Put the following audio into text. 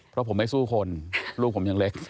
เพราะผมไม่สู้คนลูกผมยังเล็ก